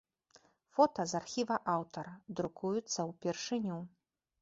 Фота з архіва аўтара, друкуюцца ўпершыню.